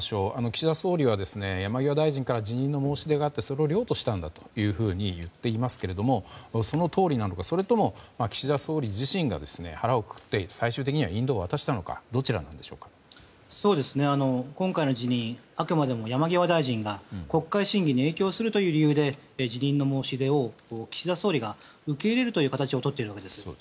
岸田総理は山際大臣から辞任の申し出があってそれを了としたんだと言っていますがそのとおりなのかそれとも、岸田総理自身が腹をくくって最終的には引導を渡したのか今回の辞任はあくまでも山際大臣が国会審議に影響するという理由で辞任の申し出を岸田総理が受け入れるという形をとっているわけです。